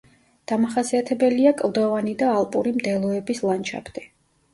დამახასიათებელია კლდოვანი და ალპური მდელოების ლანდშაფტი.